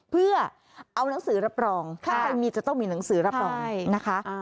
เพื่อเอานังสือรับรองถ้าใครมีจะต้องมีหนังสือรับรองนะคะ